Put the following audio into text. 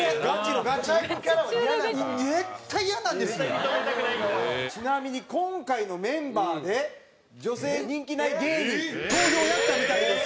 蛍原：ちなみに今回のメンバーで女性人気ない芸人投票やったみたいです。